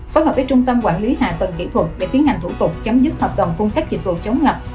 phối hợp với trung tâm quản lý hạ tầng kỹ thuật để tiến hành thủ tục chấm dứt hợp đồng cung cấp dịch vụ chống ngập